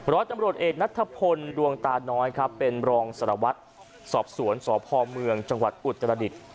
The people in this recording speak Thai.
ร้อยตำรวจเอกนัทพลดวงตาน้อยครับเป็นรองสารวัตรสอบสวนสพเมืองจังหวัดอุตรดิษฐ์